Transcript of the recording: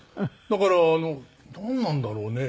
だからなんなんだろうね。